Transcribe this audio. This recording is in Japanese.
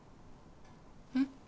えっ？